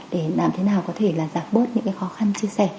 để làm thế nào có thể giảm bớt những khó khăn chia sẻ